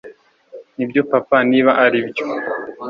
nibyo papa, niba aribyo